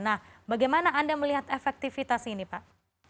nah bagaimana anda melihat efektivitas ini pak